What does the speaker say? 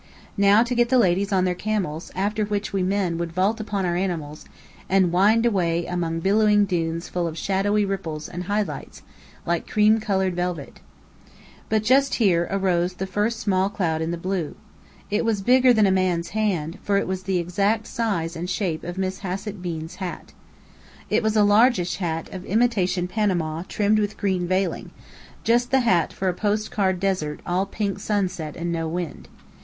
Now to get the ladies on their camels, after which we men would vault upon our animals, and wind away among billowing dunes full of shadowy ripples and high lights, like cream coloured velvet! But just here arose the first small cloud in the blue. It was bigger than a man's hand, for it was the exact size and shape of Miss Hassett Bean's hat. It was a largish hat of imitation Panama trimmed with green veiling, just the hat for a post card desert all pink sunset and no wind.